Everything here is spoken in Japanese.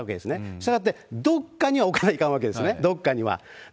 したがって、どっかには置かないかんわけですね、どっかには。